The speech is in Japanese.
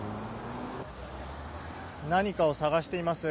何かを探しています。